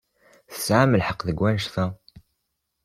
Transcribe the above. Tesɛam lḥeqq deg wanect-a.